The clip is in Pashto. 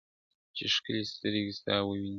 چي ښکلي سترګي ستا وویني.